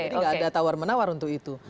jadi nggak ada tawar menawar untuk itu